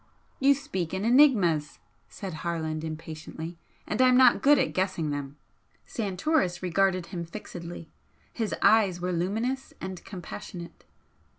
"You speak in enigmas," said Harland, impatiently "And I'm not good at guessing them." Santoris regarded him fixedly. His eyes were luminous and compassionate.